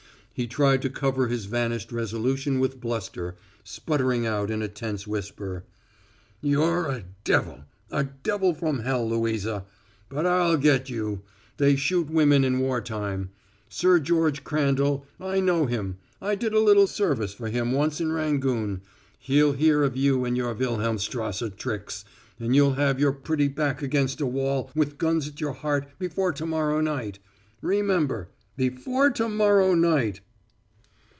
He tried to cover his vanished resolution with bluster, sputtering out in a tense whisper: "You're a devil a devil from hell, Louisa! But I'll get you. They shoot women in war time! Sir George Crandall I know him I did a little service for him once in Rangoon. He'll hear of you and your Wilhelmstrasse tricks, and you'll have your pretty back against a wall with guns at your heart before to morrow night. Remember before to morrow night!"